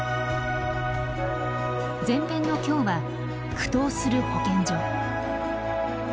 前編の今日は「苦闘する保健所」。